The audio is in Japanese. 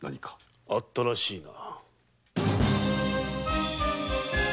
あったらしいな。